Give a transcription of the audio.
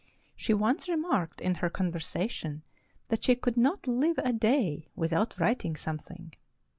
She once remarked in her conversation that she could not Uve a day without writ ing something.